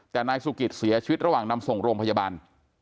แต่นายสุกิตเสียชีวิตระหว่างนำส่งโรงพยาบาล